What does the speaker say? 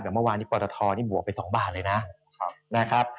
เดี๋ยวเมื่อวานที่ปลอตทนี่บวกไป๒บาทเลยนะครับ